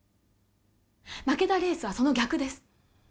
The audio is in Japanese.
負けたレースはその逆です